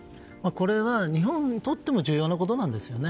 これは日本にとっても重要なことなんですよね。